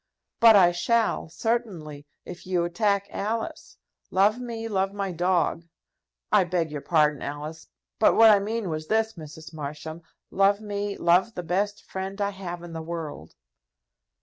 "But I shall, certainly, if you attack Alice. Love me, love my dog. I beg your pardon, Alice; but what I meant was this, Mrs. Marsham; Love me, love the best friend I have in the world."